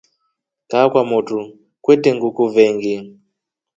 Kaa kwamotru kwetre nguku veengi.